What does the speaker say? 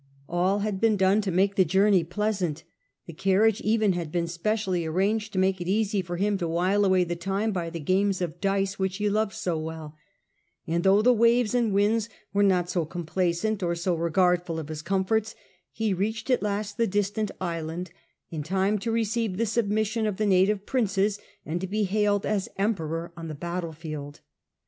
All had been done to make the journey pleasant, the carriage even had been specially arranged to make it easy for him to while away the time by the games of dice which be loved so well; and though the waves and winds were not so complaisant or so regardful of his comforts, he reached at last the distant island, in time to receive the submission of the native princes and to be hailed as Emperor on tlie battlefield.